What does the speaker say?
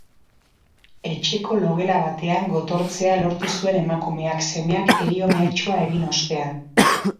Etxeko logela batean gotortzea lortu zuen emakumeak, semeak herio-mehatxua egin ostean.